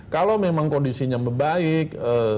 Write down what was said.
kalau memang kondisinya membaik